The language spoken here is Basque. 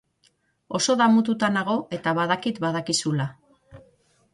Oso damututa nago eta badakit badakizula.